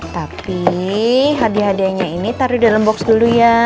tapi hadiah hadiahnya ini taruh di dalam box dulu ya